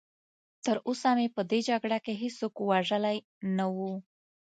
تراوسه مې په دې جګړه کې هېڅوک وژلی نه و.